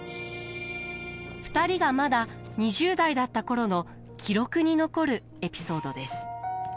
２人がまだ２０代だった頃の記録に残るエピソードです。